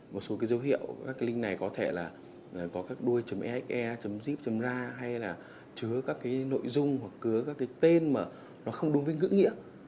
một số dấu hiệu các link này có thể là có các đuôi exe zip ra hay là chứa các nội dung hoặc chứa các tên mà không đúng với ngữ nghĩa